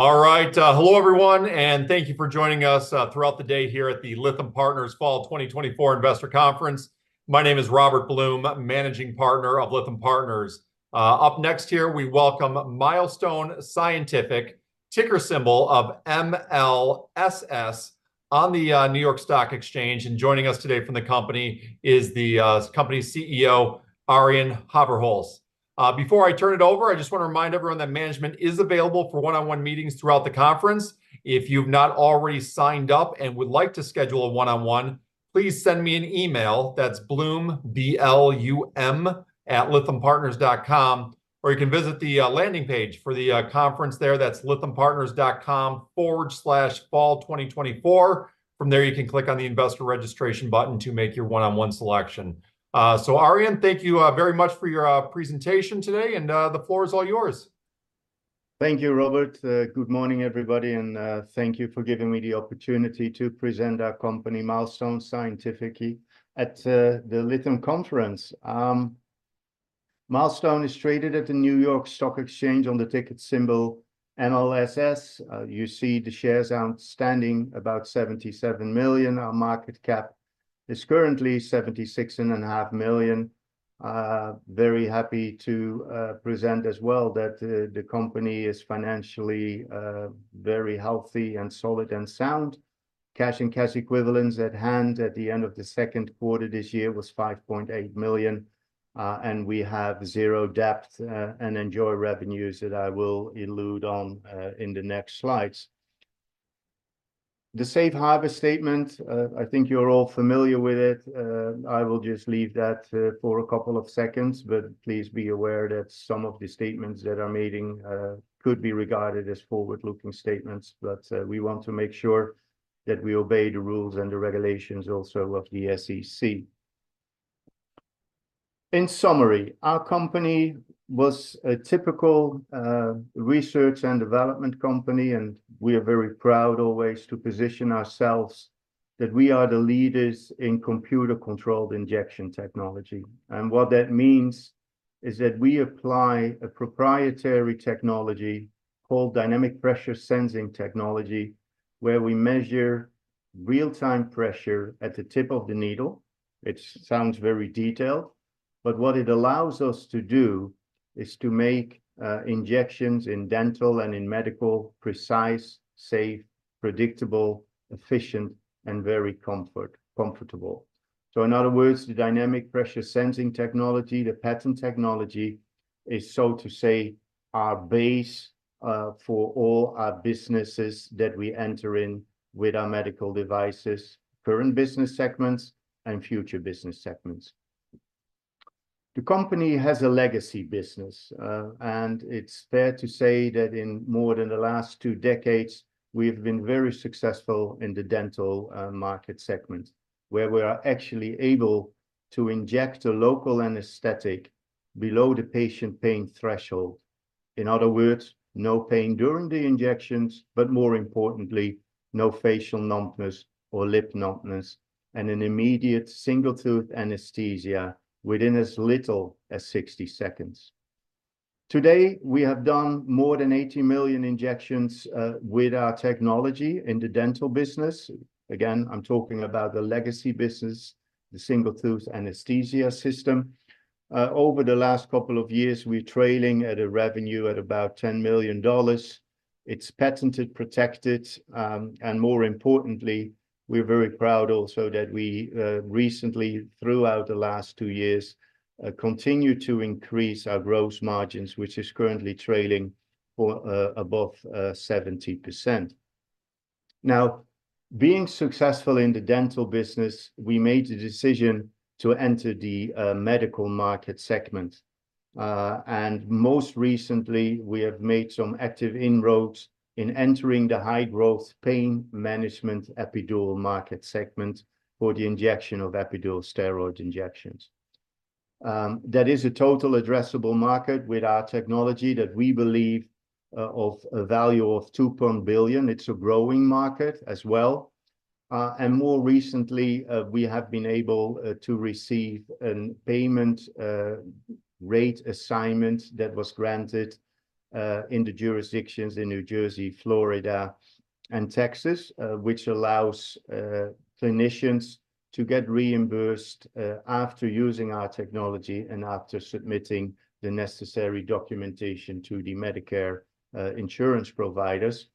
All right, hello everyone, and thank you for joining us throughout the day here at the Lytham Partners Fall 2024 Investor Conference. My name is Robert Blum, Managing Partner of Lytham Partners. Up next here, we welcome Milestone Scientific, ticker symbol of MLSS on the New York Stock Exchange, and joining us today from the company is the company's CEO, Arjan Haverhals. Before I turn it over, I just want to remind everyone that management is available for one-on-one meetings throughout the conference. If you've not already signed up and would like to schedule a one-on-one, please send me an email. That's blum, B-L-U-M, @lythampartners.com, or you can visit the landing page for the conference there. That's lythampartners.com/fall2024. From there, you can click on the Investor Registration button to make your one-on-one selection. So, Arjan, thank you very much for your presentation today, and the floor is all yours. Thank you, Robert. Good morning, everybody, and thank you for giving me the opportunity to present our company, Milestone Scientific, at the Lytham Conference. Milestone is traded at the New York Stock Exchange on the ticker symbol MLSS. You see the shares outstanding, about 77 million. Our market cap is currently $76.5 million. Very happy to present as well that the company is financially very healthy and solid and sound. Cash and cash equivalents at hand at the end of the second quarter this year was $5.8 million, and we have zero debt, and enjoy revenues that I will allude to in the next slides. The safe harbor statement, I think you're all familiar with it. I will just leave that for a couple of seconds, but please be aware that some of the statements that I'm making could be regarded as forward-looking statements. But we want to make sure that we obey the rules and the regulations also of the SEC. In summary, our company was a typical research and development company, and we are very proud always to position ourselves that we are the leaders in computer-controlled injection technology. And what that means is that we apply a proprietary technology called Dynamic Pressure Sensing technology, where we measure real-time pressure at the tip of the needle. It sounds very detailed, but what it allows us to do is to make injections in dental and in medical precise, safe, predictable, efficient, and very comfortable. So in other words, the Dynamic Pressure Sensing technology, the patent technology, is, so to say, our base, for all our businesses that we enter in with our medical devices, current business segments and future business segments. The company has a legacy business, and it's fair to say that in more than the last two decades, we've been very successful in the dental, market segment, where we are actually able to inject a local anesthetic below the patient pain threshold. In other words, no pain during the injections, but more importantly, no facial numbness or lip numbness, and an immediate single-tooth anesthesia within as little as sixty seconds. Today, we have done more than eighty million injections, with our technology in the dental business. Again, I'm talking about the legacy business, the Single Tooth Anesthesia System. Over the last couple of years, we're trailing at a revenue at about $10 million. It's patented, protected, and more importantly, we're very proud also that we recently, throughout the last two years, continue to increase our gross margins, which is currently trailing for above 70%. Now, being successful in the dental business, we made the decision to enter the medical market segment. And most recently, we have made some active inroads in entering the high-growth pain management epidural market segment for the injection of epidural steroid injections. That is a total addressable market with our technology that we believe of a value of $2 billion. It's a growing market as well. And more recently, we have been able to receive a payment rate assignment that was granted in the jurisdictions in New Jersey, Florida, and Texas, which allows clinicians to get reimbursed after using our technology and after submitting the necessary documentation to the Medicare insurance providers.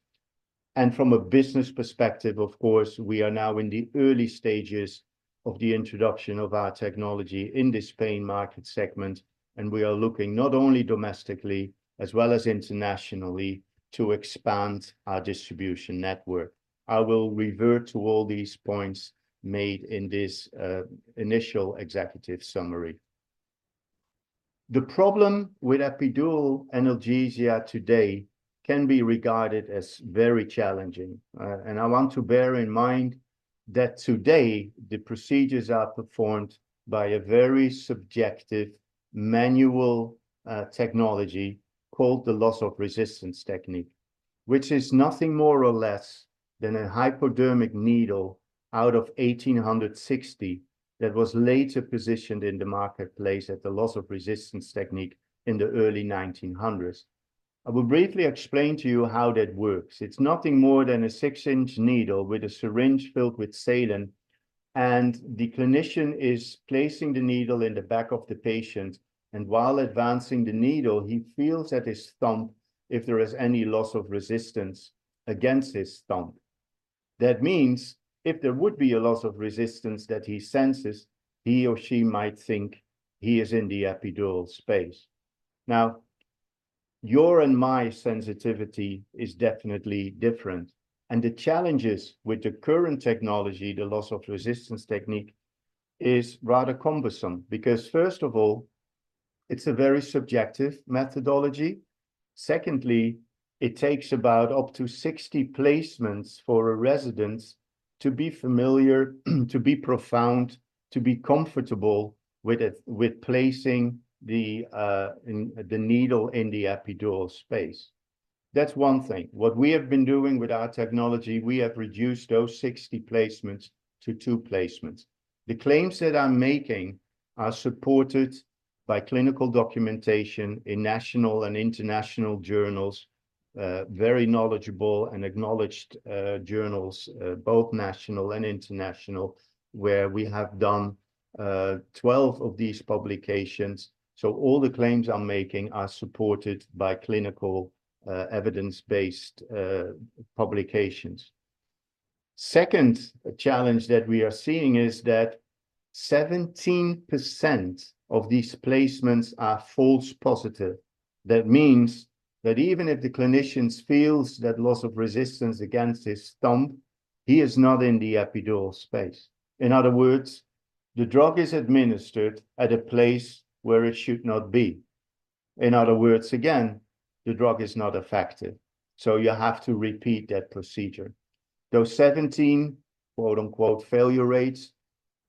And from a business perspective, of course, we are now in the early stages of the introduction of our technology in this pain market segment, and we are looking not only domestically as well as internationally, to expand our distribution network. I will revert to all these points made in this initial executive summary. The problem with epidural analgesia today can be regarded as very challenging, and I want to bear in mind that today, the procedures are performed by a very subjective manual, technology called the loss of resistance technique, which is nothing more or less than a hypodermic needle out of eighteen hundred and sixty-... that was later positioned in the marketplace at the loss of resistance technique in the early 1900s. I will briefly explain to you how that works. It's nothing more than a six-inch needle with a syringe filled with saline, and the clinician is placing the needle in the back of the patient, and while advancing the needle, he feels at his thumb if there is any loss of resistance against his thumb. That means, if there would be a loss of resistance that he senses, he or she might think he is in the epidural space. Now, your and my sensitivity is definitely different, and the challenges with the current technology, the loss of resistance technique, is rather cumbersome, because first of all, it's a very subjective methodology. Secondly, it takes about up to 60 placements for a resident to be familiar, to be profound, to be comfortable with it, with placing the needle in the epidural space. That's one thing. What we have been doing with our technology, we have reduced those 60 placements to two placements. The claims that I'm making are supported by clinical documentation in national and international journals, very knowledgeable and acknowledged journals, both national and international, where we have done 12 of these publications. So all the claims I'm making are supported by clinical, evidence-based, publications. Second challenge that we are seeing is that 17% of these placements are false positive. That means that even if the clinicians feels that loss of resistance against his thumb, he is not in the epidural space. In other words, the drug is administered at a place where it should not be. In other words, again, the drug is not effective, so you have to repeat that procedure. Those 17, quote, unquote, "failure rates"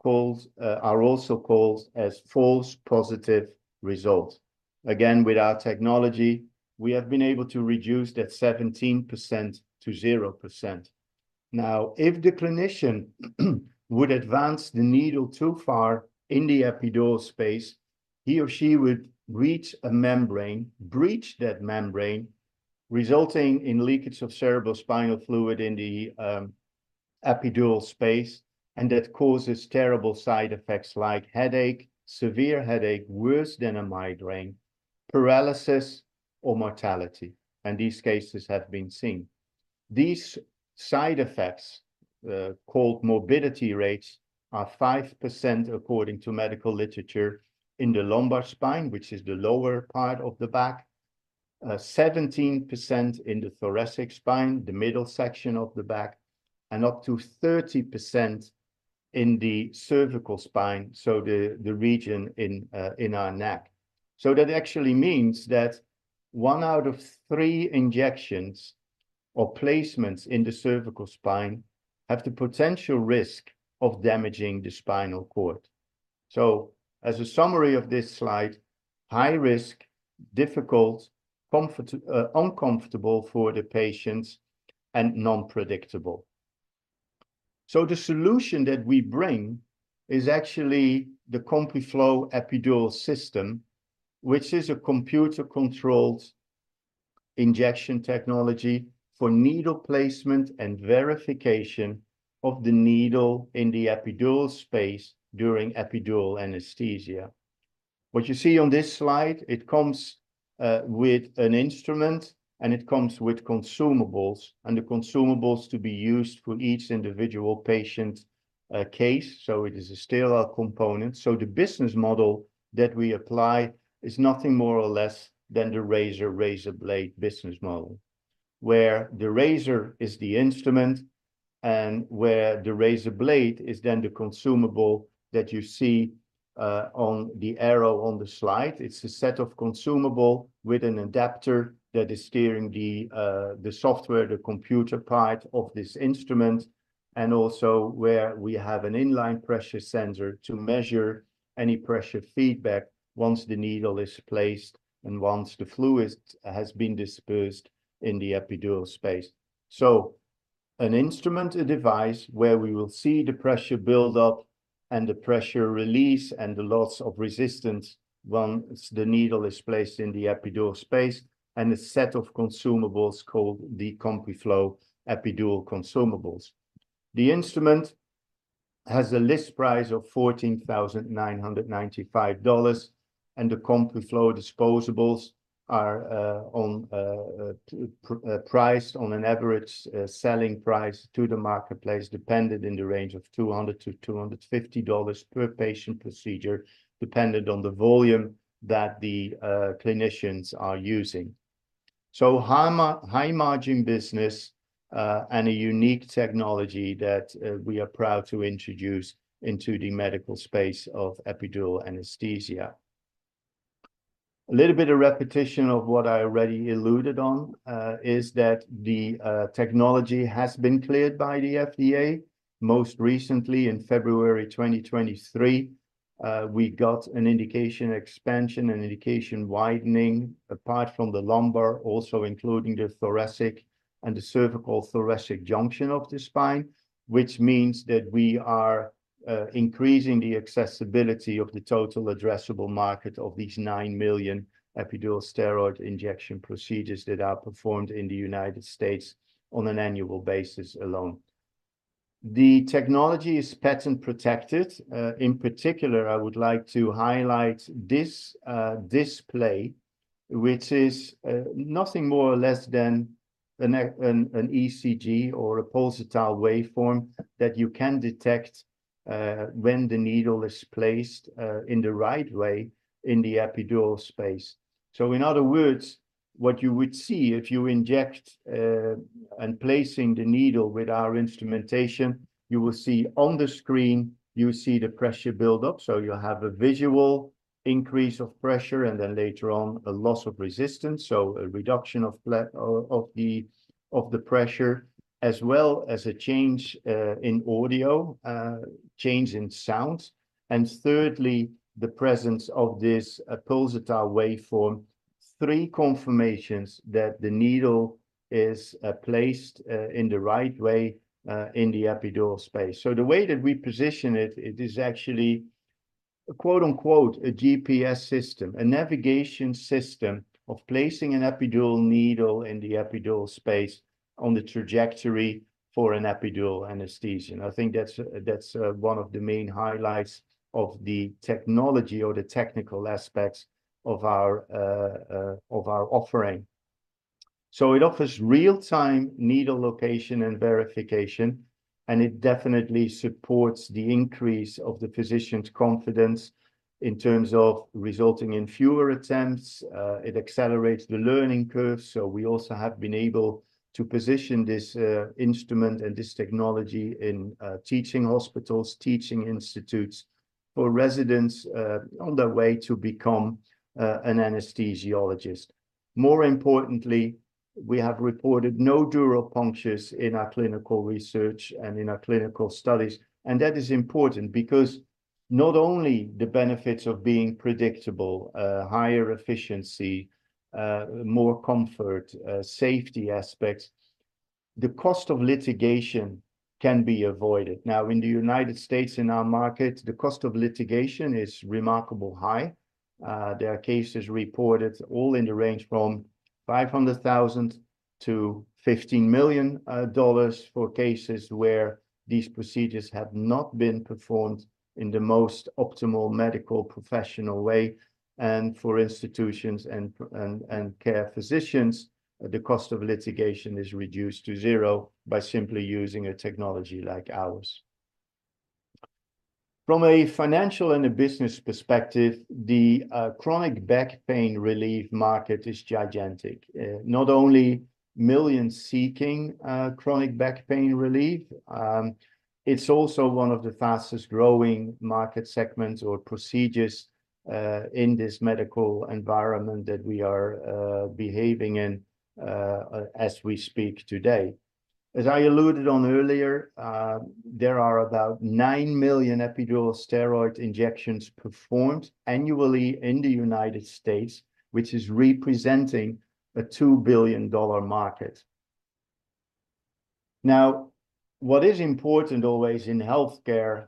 calls are also called as false positive results. Again, with our technology, we have been able to reduce that 17% to 0%. Now, if the clinician would advance the needle too far in the epidural space, he or she would reach a membrane, breach that membrane, resulting in leakage of cerebrospinal fluid in the epidural space, and that causes terrible side effects like headache, severe headache, worse than a migraine, paralysis, or mortality, and these cases have been seen. These side effects, called morbidity rates, are 5%, according to medical literature, in the lumbar spine, which is the lower part of the back. Seventeen percent in the thoracic spine, the middle section of the back. And up to 30% in the cervical spine, so the region in our neck. So that actually means that one out of three injections or placements in the cervical spine have the potential risk of damaging the spinal cord. So as a summary of this slide, high risk, difficult, uncomfortable for the patients, and non-predictable. So the solution that we bring is actually the CompuFlo Epidural System, which is a computer-controlled injection technology for needle placement and verification of the needle in the epidural space during epidural anesthesia. What you see on this slide, it comes with an instrument, and it comes with consumables, and the consumables to be used for each individual patient case, so it is a sterile component. So the business model that we apply is nothing more or less than the razor-blade business model, where the razor is the instrument and where the razor blade is then the consumable that you see on the arrow on the slide. It's a set of consumables with an adapter that is steering the software, the computer part of this instrument, and also where we have an inline pressure sensor to measure any pressure feedback once the needle is placed and once the fluid has been dispersed in the epidural space. An instrument, a device, where we will see the pressure build-up and the pressure release and the loss of resistance once the needle is placed in the epidural space, and a set of consumables called the CompuFlo Epidural consumables. The instrument has a list price of $14,995, and the CompuFlo disposables are priced on an average selling price to the marketplace, dependent in the range of $200-$250 per patient procedure, dependent on the volume that the clinicians are using. So high-margin business, and a unique technology that we are proud to introduce into the medical space of epidural anesthesia. A little bit of repetition of what I already alluded on is that the technology has been cleared by the FDA, most recently in February 2023. We got an indication expansion, an indication widening, apart from the lumbar, also including the thoracic and the cervical thoracic junction of the spine, which means that we are increasing the accessibility of the total addressable market of these nine million epidural steroid injection procedures that are performed in the United States on an annual basis alone. The technology is patent-protected. In particular, I would like to highlight this display, which is nothing more or less than an ECG or a pulsatile waveform that you can detect when the needle is placed in the right way in the epidural space. So in other words, what you would see if you inject and placing the needle with our instrumentation, you will see on the screen the pressure build-up. So you'll have a visual increase of pressure, and then later on, a loss of resistance, so a reduction of the pressure, as well as a change in audio change in sounds, and thirdly, the presence of this pulsatile waveform, three confirmations that the needle is placed in the right way in the epidural space. The way that we position it, it is actually, quote-unquote, "a GPS system," a navigation system of placing an epidural needle in the epidural space on the trajectory for an epidural anesthesia. I think that's one of the main highlights of the technology or the technical aspects of our offering. It offers real-time needle location and verification, and it definitely supports the increase of the physician's confidence in terms of resulting in fewer attempts. It accelerates the learning curve, so we also have been able to position this instrument and this technology in teaching hospitals, teaching institutes, for residents on their way to become an anesthesiologist. More importantly, we have reported no dural punctures in our clinical research and in our clinical studies, and that is important because not only the benefits of being predictable, higher efficiency, more comfort, safety aspects, the cost of litigation can be avoided. Now, in the United States, in our market, the cost of litigation is remarkably high. There are cases reported all in the range from $500,000 to $15 million dollars for cases where these procedures have not been performed in the most optimal medical professional way. And for institutions and care physicians, the cost of litigation is reduced to zero by simply using a technology like ours. From a financial and a business perspective, the chronic back pain relief market is gigantic. Not only millions seeking chronic back pain relief, it's also one of the fastest-growing market segments or procedures in this medical environment that we are behaving in as we speak today. As I alluded on earlier, there are about nine million epidural steroid injections performed annually in the United States, which is representing a $2 billion market. Now, what is important always in healthcare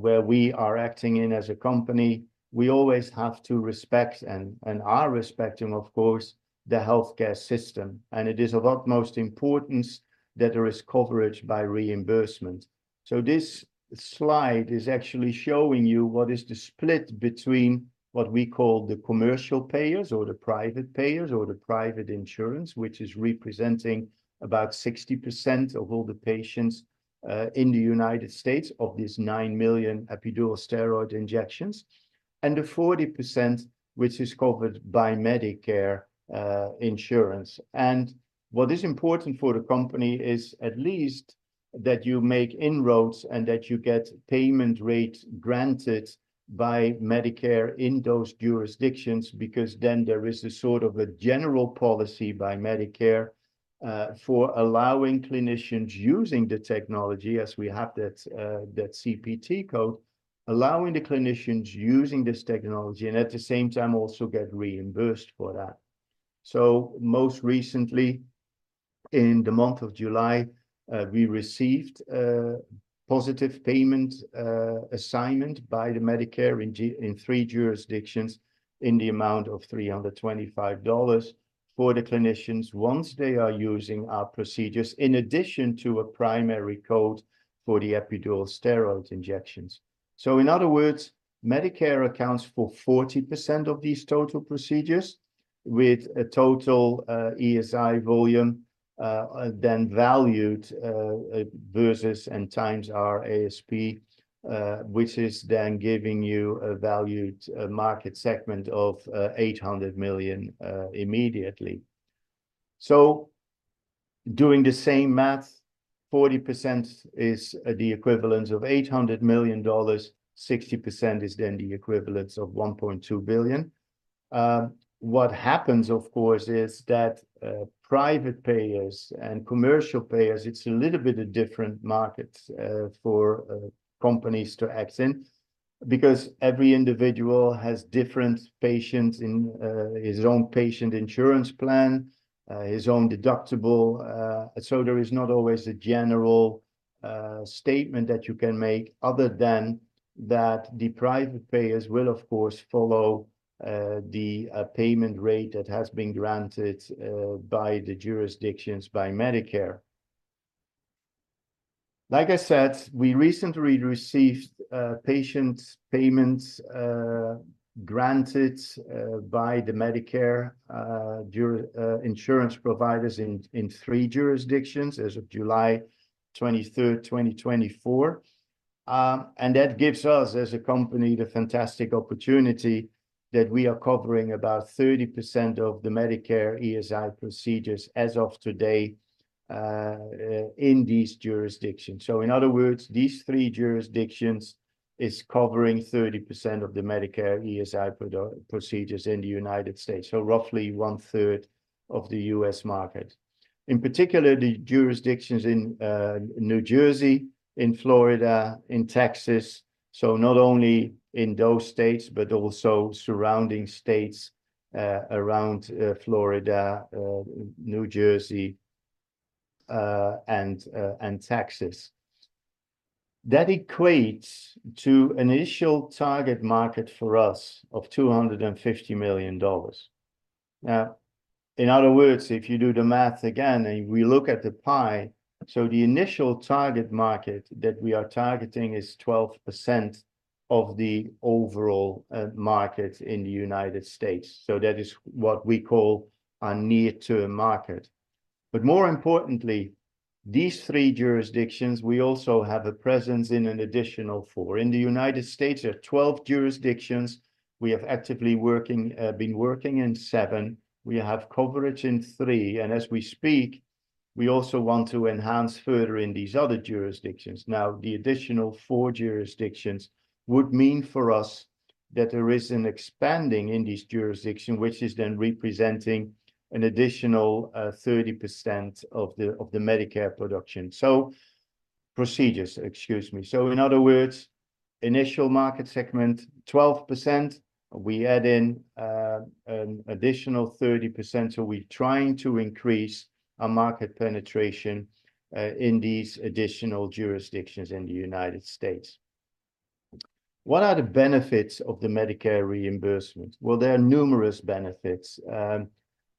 where we are acting in as a company, we always have to respect, and are respecting, of course, the healthcare system, and it is of utmost importance that there is coverage by reimbursement. So this slide is actually showing you what is the split between what we call the commercial payers, or the private payers, or the private insurance, which is representing about 60% of all the patients in the United States, of these nine million epidural steroid injections, and the 40%, which is covered by Medicare insurance. And what is important for the company is at least that you make inroads and that you get payment rates granted by Medicare in those jurisdictions, because then there is a sort of a general policy by Medicare for allowing clinicians using the technology as we have that CPT code, allowing the clinicians using this technology, and at the same time, also get reimbursed for that. Most recently, in the month of July, we received a positive payment assignment by Medicare in three jurisdictions in the amount of $325 for the clinicians once they are using our procedures, in addition to a primary code for the epidural steroid injections. So in other words, Medicare accounts for 40% of these total procedures, with a total ESI volume then valued versus and times our ASP, which is then giving you a valued market segment of $800 million immediately. So doing the same math, 40% is the equivalent of $800 million; 60% is then the equivalent of $1.2 billion. What happens, of course, is that private payers and commercial payers, it's a little bit of different markets for companies to act in, because every individual has different payers in his own private insurance plan, his own deductible. So there is not always a general statement that you can make other than that the private payers will, of course, follow the payment rate that has been granted by the jurisdictions, by Medicare. Like I said, we recently received patient payments granted by the Medicare insurance providers in three jurisdictions as of July 23rd, 2024. That gives us, as a company, the fantastic opportunity that we are covering about 30% of the Medicare ESI procedures as of today in these jurisdictions. So in other words, these three jurisdictions is covering 30% of the Medicare ESI procedures in the United States, so roughly one-third of the U.S. market. In particular, the jurisdictions in New Jersey, in Florida, in Texas, so not only in those states, but also surrounding states around Florida, New Jersey, and Texas. That equates to initial target market for us of $250 million. Now, in other words, if you do the math again, and we look at the pie, so the initial target market that we are targeting is 12% of the overall market in the United States, so that is what we call a near-term market. But more importantly, these three jurisdictions, we also have a presence in an additional four. In the United States, there are 12 jurisdictions. We have actively been working in seven, we have coverage in three, and as we speak, we also want to enhance further in these other jurisdictions. Now, the additional four jurisdictions would mean for us that there is an expanding in this jurisdiction, which is then representing an additional 30% of the Medicare procedures. So in other words, initial market segment, 12%, we add in an additional 30%, so we're trying to increase our market penetration in these additional jurisdictions in the United States. What are the benefits of the Medicare reimbursement? Well, there are numerous benefits.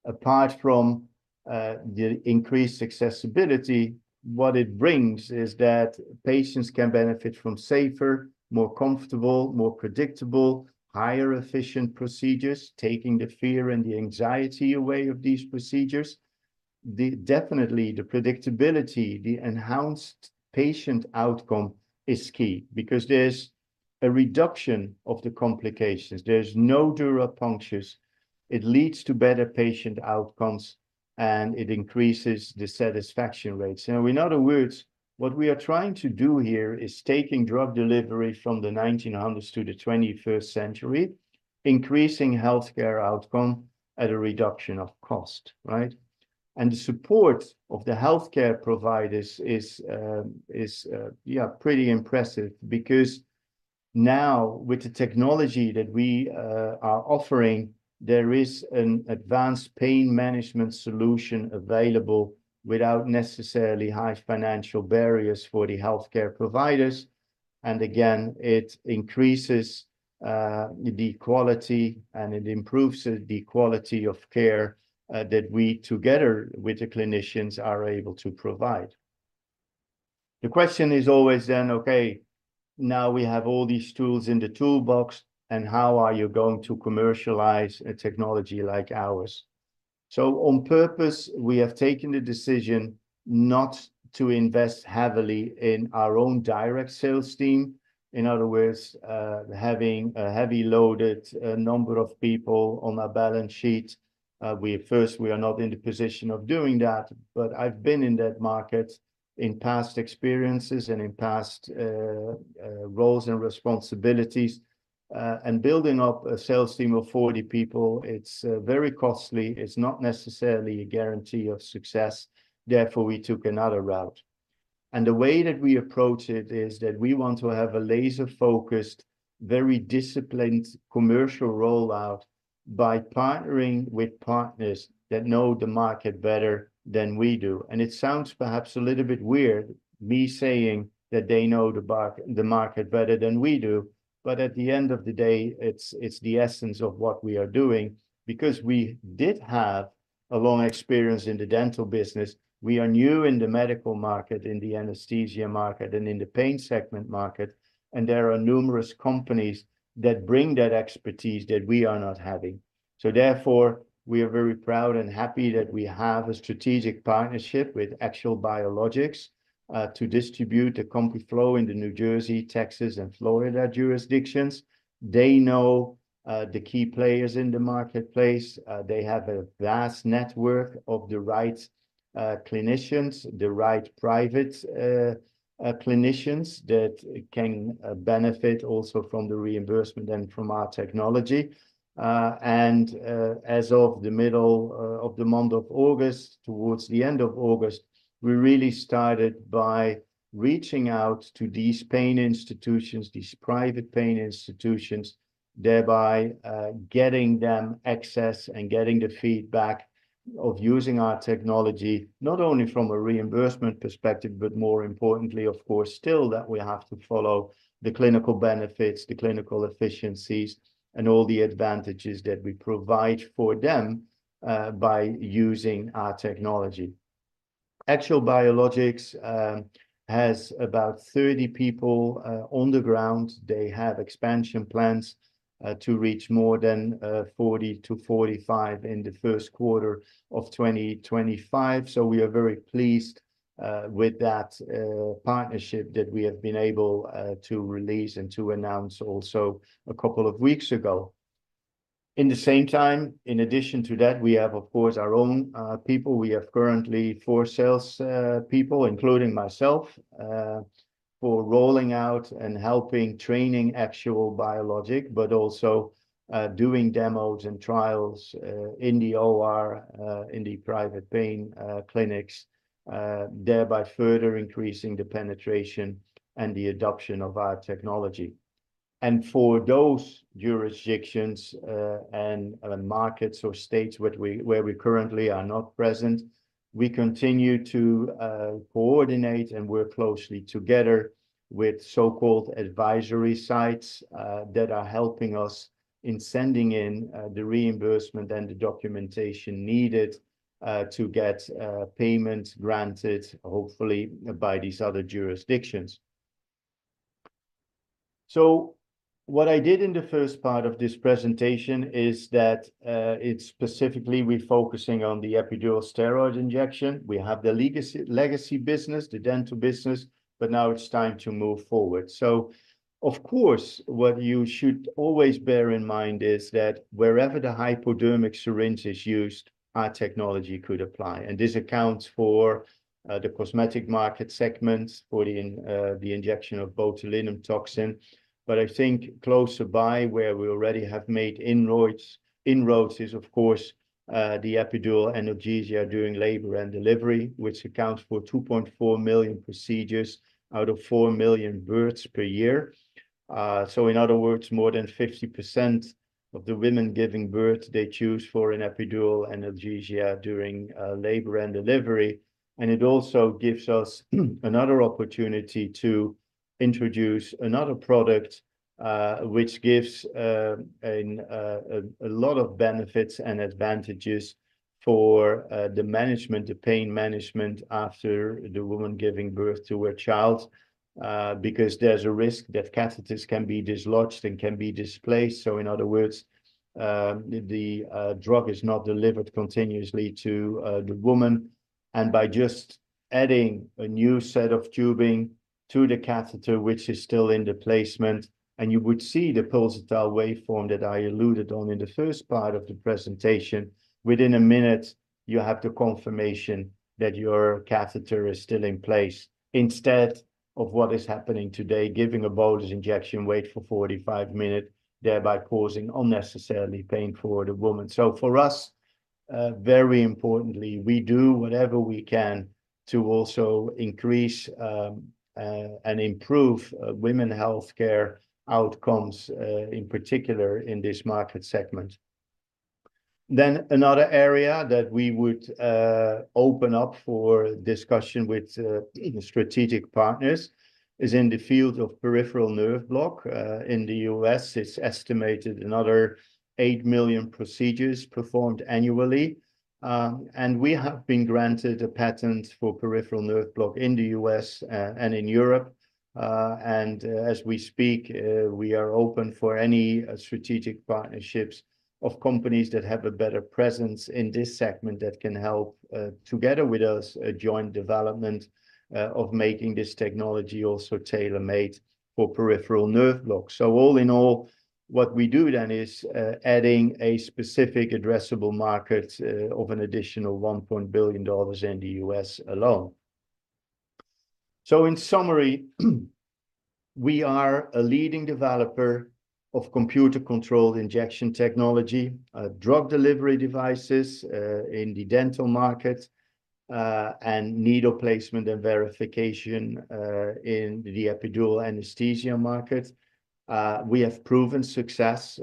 Apart from the increased accessibility, what it brings is that patients can benefit from safer, more comfortable, more predictable, higher efficient procedures, taking the fear and the anxiety away of these procedures. Definitely, the predictability, the enhanced patient outcome is key because there's a reduction of the complications. There's no dural punctures. It leads to better patient outcomes, and it increases the satisfaction rates. Now, in other words, what we are trying to do here is taking drug delivery from the nineteen hundreds to the twenty-first century, increasing healthcare outcome at a reduction of cost, right? And the support of the healthcare providers is, is, yeah, pretty impressive because now with the technology that we are offering, there is an advanced pain management solution available without necessarily high financial barriers for the healthcare providers. And again, it increases the quality, and it improves the quality of care that we, together with the clinicians, are able to provide. The question is always then, okay, now we have all these tools in the toolbox, and how are you going to commercialize a technology like ours? So on purpose, we have taken the decision not to invest heavily in our own direct sales team. In other words, having a heavily loaded number of people on our balance sheet. First, we are not in the position of doing that, but I've been in that market in past experiences and in past roles and responsibilities, and building up a sales team of 40 people, it's very costly, it's not necessarily a guarantee of success, therefore, we took another route. And the way that we approach it is that we want to have a laser-focused, very disciplined commercial rollout by partnering with partners that know the market better than we do. It sounds perhaps a little bit weird, me saying that they know the market better than we do, but at the end of the day, it's the essence of what we are doing, because we did have a long experience in the dental business. We are new in the medical market, in the anesthesia market, and in the pain segment market, and there are numerous companies that bring that expertise that we are not having. So therefore, we are very proud and happy that we have a strategic partnership with Axial Biologics to distribute the CompuFlo in the New Jersey, Texas, and Florida jurisdictions. They know the key players in the marketplace. They have a vast network of the right clinicians, the right private clinicians that can benefit also from the reimbursement and from our technology. And, as of the middle of the month of August, towards the end of August, we really started by reaching out to these pain institutions, these private pain institutions, thereby getting them access and getting the feedback of using our technology, not only from a reimbursement perspective, but more importantly, of course, still that we have to follow the clinical benefits, the clinical efficiencies, and all the advantages that we provide for them by using our technology. Axial Biologics has about 30 people on the ground. They have expansion plans to reach more than 40-45 in the first quarter of 2025. So we are very pleased with that partnership that we have been able to release and to announce also a couple of weeks ago. At the same time, in addition to that, we have, of course, our own people. We have currently four sales people, including myself, for rolling out and helping training Axial Biologics, but also doing demos and trials in the OR in the private pain clinics, thereby further increasing the penetration and the adoption of our technology. For those jurisdictions and markets or states where we currently are not present, we continue to coordinate and work closely together with so-called advisory sites that are helping us in sending in the reimbursement and the documentation needed to get payments granted, hopefully by these other jurisdictions. What I did in the first part of this presentation is that it's specifically refocusing on the epidural steroid injection. We have the legacy business, the dental business, but now it's time to move forward. So of course, what you should always bear in mind is that wherever the hypodermic syringe is used, our technology could apply, and this accounts for the cosmetic market segments for the injection of botulinum toxin. But I think closer by where we already have made inroads is, of course, the epidural analgesia during labor and delivery, which accounts for 2.4 million procedures out of 4 million births per year. So in other words, more than 50% of the women giving birth, they choose for an epidural analgesia during labor and delivery. And it also gives us another opportunity to introduce another product, which gives a lot of benefits and advantages for the management, the pain management after the woman giving birth to a child. Because there's a risk that catheters can be dislodged and can be displaced. So in other words, the drug is not delivered continuously to the woman. And by just adding a new set of tubing to the catheter, which is still in the placement, and you would see the pulsatile waveform that I alluded on in the first part of the presentation. Within a minute, you have the confirmation that your catheter is still in place. Instead of what is happening today, giving a bolus injection, wait for 45 minutes, thereby causing unnecessarily pain for the woman. So for us, very importantly, we do whatever we can to also increase and improve women healthcare outcomes, in particular in this market segment. Then another area that we would open up for discussion with in strategic partners is in the field of peripheral nerve block. In the U.S., it's estimated another eight million procedures performed annually. And we have been granted a patent for peripheral nerve block in the U.S. and in Europe. And as we speak, we are open for any strategic partnerships of companies that have a better presence in this segment that can help together with us a joint development of making this technology also tailor-made for peripheral nerve block. So all in all, what we do then is adding a specific addressable market of an additional $1 billion in the U.S. alone. In summary, we are a leading developer of computer-controlled injection technology, drug delivery devices in the dental market and needle placement and verification in the epidural anesthesia market. We have proven success.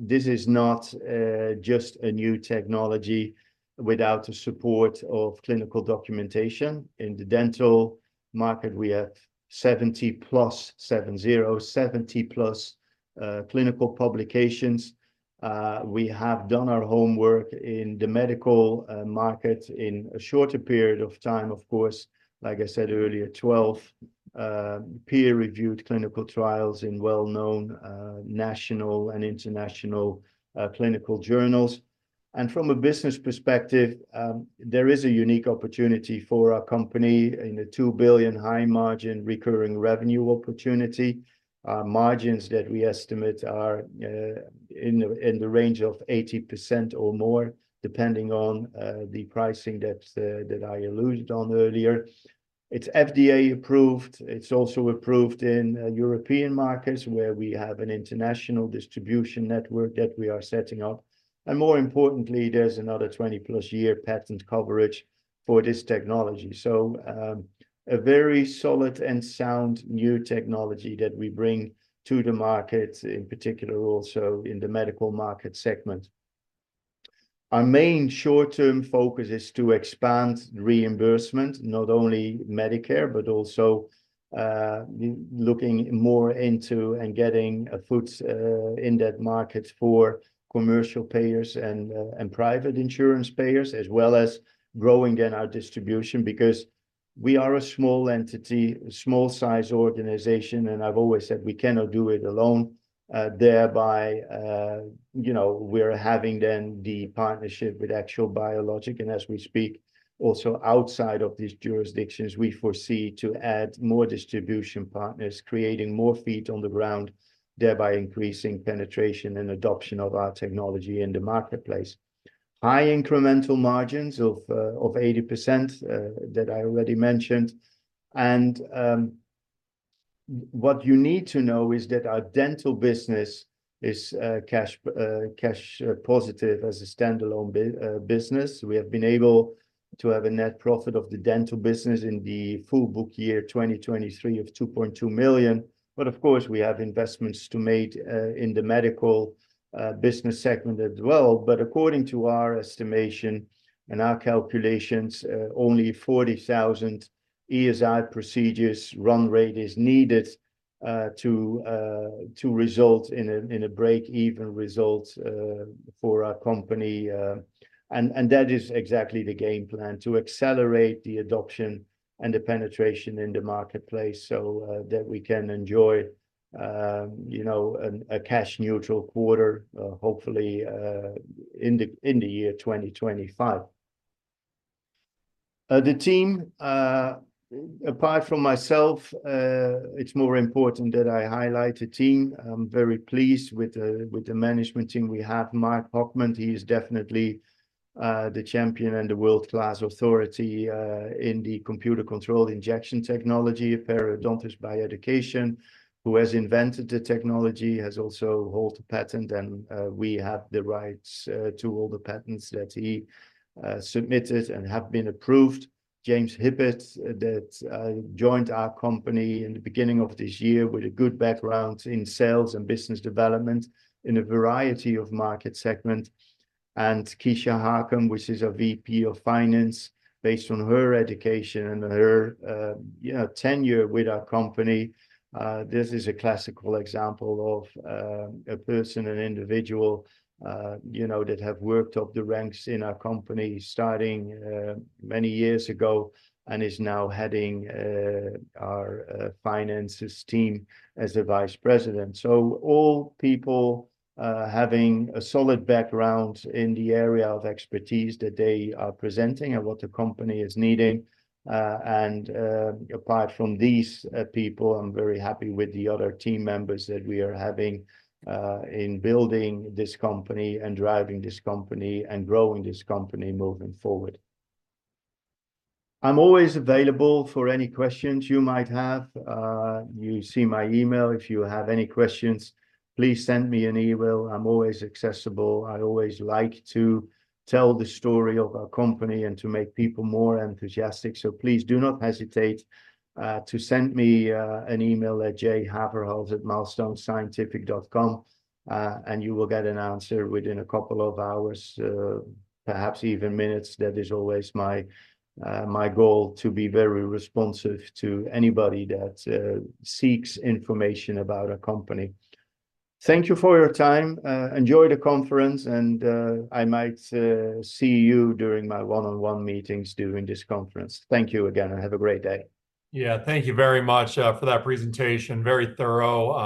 This is not just a new technology without the support of clinical documentation. In the dental market, we have 70-plus clinical publications. We have done our homework in the medical market in a shorter period of time, of course. Like I said earlier, 12 peer-reviewed clinical trials in well-known national and international clinical journals. And from a business perspective, there is a unique opportunity for our company in a $2 billion high margin recurring revenue opportunity. Margins that we estimate are in the range of 80% or more, depending on the pricing that I alluded on earlier. It's FDA approved. It's also approved in European markets, where we have an international distribution network that we are setting up. And more importantly, there's another 20-plus year patent coverage for this technology. So, a very solid and sound new technology that we bring to the market, in particular, also in the medical market segment. Our main short-term focus is to expand reimbursement, not only Medicare, but also looking more into and getting a foot in that market for commercial payers and private insurance payers, as well as growing in our distribution. Because we are a small entity, a small-size organization, and I've always said we cannot do it alone. Thereby, you know, we're having then the partnership with Axial Biologics. And as we speak, also outside of these jurisdictions, we foresee to add more distribution partners, creating more feet on the ground, thereby increasing penetration and adoption of our technology in the marketplace. High incremental margins of 80%, that I already mentioned. And what you need to know is that our dental business is cash positive as a standalone business. We have been able to have a net profit of the dental business in the fiscal year 2023 of $2.2 million. But of course, we have investments to make in the medical business segment as well. But according to our estimation and our calculations, only 40,000 ESI procedures run rate is needed to result in a break-even result for our company. And that is exactly the game plan, to accelerate the adoption and the penetration in the marketplace so that we can enjoy, you know, a cash neutral quarter, hopefully, in the year 2025. The team, apart from myself, it's more important that I highlight the team. I'm very pleased with the management team we have. Mark Hochman, he is definitely the champion and a world-class authority in the computer-controlled injection technology, a periodontist by education, who has invented the technology, has also hold the patent, and we have the rights to all the patents that he submitted and have been approved. James Hibbert, that joined our company in the beginning of this year with a good background in sales and business development in a variety of market segments. Keisha Harcum, which is a VP of Finance, based on her education and her you know tenure with our company, this is a classical example of a person, an individual, you know, that have worked up the ranks in our company, starting many years ago, and is now heading our finances team as a vice president. All people having a solid background in the area of expertise that they are presenting and what the company is needing. Apart from these people, I'm very happy with the other team members that we are having in building this company and driving this company and growing this company moving forward. I'm always available for any questions you might have. You see my email. If you have any questions, please send me an email. I'm always accessible. I always like to tell the story of our company and to make people more enthusiastic, so please do not hesitate to send me an email at j.haverhals@milestonescientific.com, and you will get an answer within a couple of hours, perhaps even minutes. That is always my, my goal, to be very responsive to anybody that seeks information about our company. Thank you for your time. Enjoy the conference, and I might see you during my one-on-one meetings during this conference. Thank you again, and have a great day. Yeah, thank you very much for that presentation. Very thorough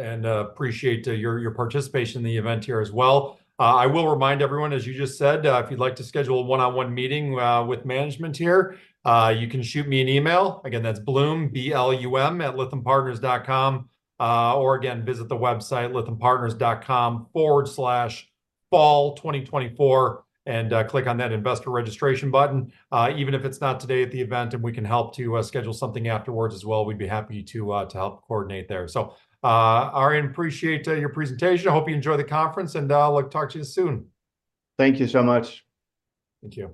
and appreciate your participation in the event here as well. I will remind everyone, as you just said, if you'd like to schedule a one-on-one meeting with management here, you can shoot me an email. Again, that's Blum, B-L-U-M, @lythampartners.com. Or again, visit the website lythampartners.com/fall2024, and click on that Investor Registration button. Even if it's not today at the event and we can help to schedule something afterwards as well, we'd be happy to help coordinate there. So, Arjan, appreciate your presentation. I hope you enjoy the conference, and I'll talk to you soon. Thank you so much. Thank you.